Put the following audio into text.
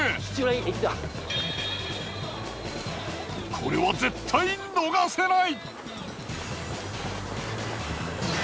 これは絶対逃がせない！